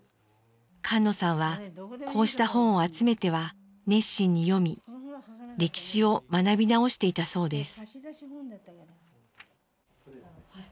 菅野さんはこうした本を集めては熱心に読み歴史を学び直していたそうです。